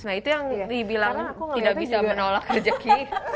nah itu yang dibilang tidak bisa menolak kerja kiki